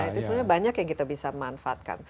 itu sebenarnya banyak yang kita bisa manfaatkan